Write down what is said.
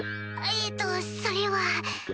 えっとそれは。